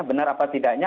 benar apa tidaknya